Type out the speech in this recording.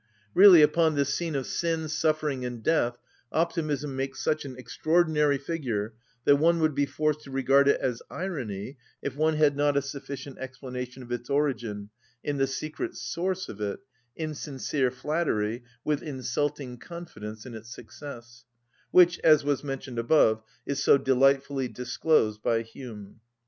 Really upon this scene of sin, suffering, and death optimism makes such an extraordinary figure that one would be forced to regard it as irony if one had not a sufficient explanation of its origin in the secret source of it (insincere flattery, with insulting confidence in its success), which, as was mentioned above, is so delightfully disclosed by Hume.